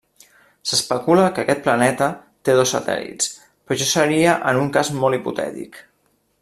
S'especula que aquest planeta, té dos satèl·lits, però això seria en un cas molt hipotètic.